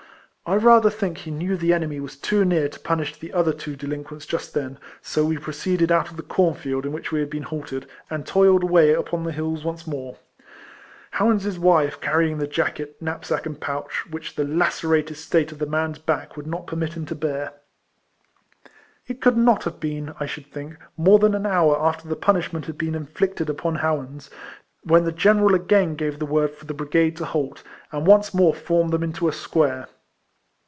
I rather think he knew the enemy was too near to punish the other two delinquents just then; so we proceeded RIFLEMAN HARRIS. 201 out of the corn field in which we had been halted, and toiled away upon the hills once more, Ho wans' wife carrying the jacket, knapsack, and pouch, which the lacerated state of the man's back would not permit him to bear. It could not have been, I should think, more than an hour after the punishment had been inflicted upon Howans, when the general again gave the word for the brigade to halt, and once more formed them into square.